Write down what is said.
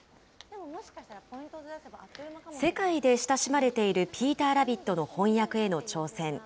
世界で親しまれているピーターラビットの翻訳への挑戦。